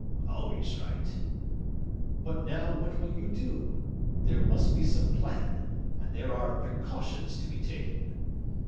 "Always right." "But now what will you do? There must be some plan: and there are precautions to be taken."